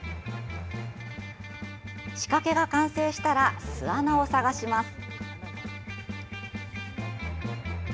仕掛けが完成したら巣穴を探します。